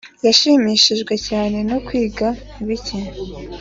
yashimishijwe cyane no kwiga bike